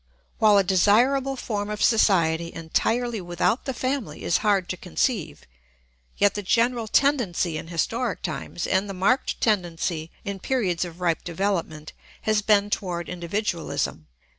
] While a desirable form of society entirely without the family is hard to conceive, yet the general tendency in historic times, and the marked tendency in periods of ripe development, has been toward individualism.